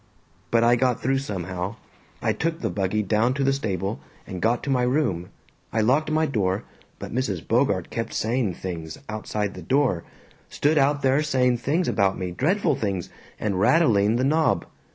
But I got through somehow. I took the buggy down to the stable, and got to my room. I locked my door, but Mrs. Bogart kept saying things, outside the door. Stood out there saying things about me, dreadful things, and rattling the knob.